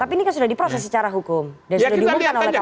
tapi ini kan sudah diproses secara hukum dan sudah diumumkan ya kita lihat